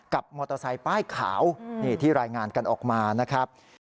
มอเตอร์ไซค์ป้ายขาวนี่ที่รายงานกันออกมานะครับ